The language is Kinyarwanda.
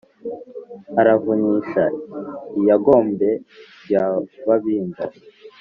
aravunyisha lyangombe rya babinga